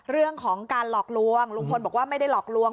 เรื่องของการหลอกลวงลุงพลบอกว่าไม่ได้หลอกลวง